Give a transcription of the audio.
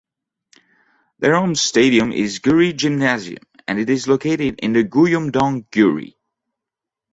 Their home stadium is Guri Gymnasium and it is located in Gyomun-dong, Guri.